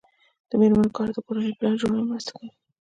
د میرمنو کار د کورنۍ پلان جوړونې مرسته کوي.